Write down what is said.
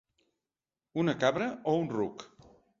Una cabra o un ruc?